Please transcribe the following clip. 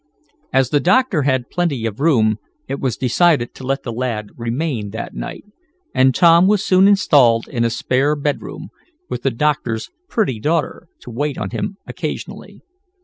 As the doctor had plenty of room it was decided to let the lad remain that night, and Tom was soon installed in a spare bedroom, with the doctor's pretty daughter to wait on him occasionally.